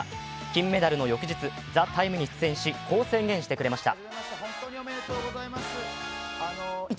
金メダルの翌日、「ＴＨＥＴＩＭＥ，」に出演し、こう宣言してくれました。